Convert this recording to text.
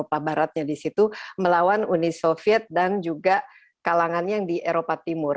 dan juga ada negara baratnya di situ melawan uni soviet dan juga kalangannya yang di eropa timur